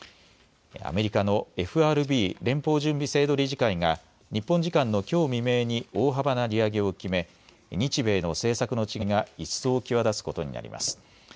アメリカのＦＲＢ・連邦準備制度理事会が日本時間のきょう未明に大幅な利上げを決め日米の政策の違いが一層際立つことになります。